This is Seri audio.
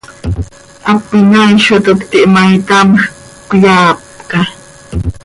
Hap inaail zo toc cötiih ma, itamjc, cöyaapca.